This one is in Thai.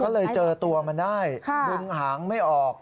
ก็เลยเจอตัวมันได้ดึงหางไม่ออก